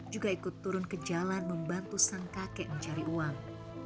juga ikut turun ke jalan membantu sang kakek mencari uang